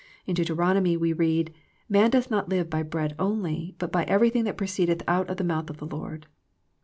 In Deuteronomy we read "Man doth not live by bread only, but by everything that proceedeth out of the mouth of the Lord."